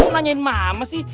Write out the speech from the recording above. nanyain mama sih